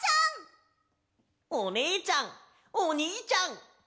おねえちゃんおにいちゃん。